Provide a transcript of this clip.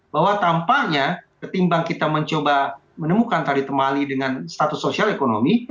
bahwa tampaknya ketimbang kita mencoba menemukan tari temali dengan status sosial ekonomi